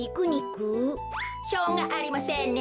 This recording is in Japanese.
しょうがありませんね。